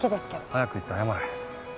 早く行って謝れ。